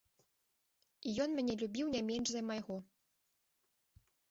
І ён мяне любіў не менш за майго.